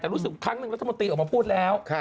แต่รู้สึกครั้งหนึ่งรัฐมนตรีออกมาพูดแล้ว